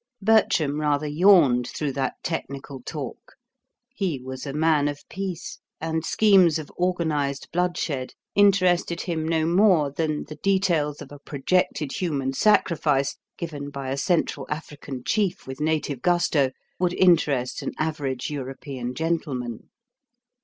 Bertram rather yawned through that technical talk; he was a man of peace, and schemes of organised bloodshed interested him no more than the details of a projected human sacrifice, given by a Central African chief with native gusto, would interest an average European gentleman.